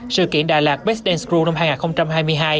sự kiện đà lạt best dance crew năm hai nghìn hai mươi hai